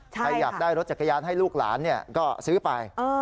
ใครอยากได้รถจักรยานให้ลูกหลานก็ซื้อไป